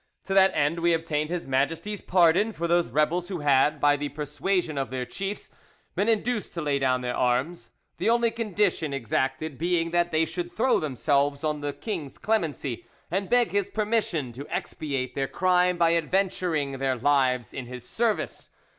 To that end we obtained His Majesty's pardon for those rebels who had, by the persuasion of their chiefs, been induced to lay down their arms; the only condition exacted being that they should throw themselves on the king's clemency and beg his permission to expiate their crime by adventuring their lives in his service.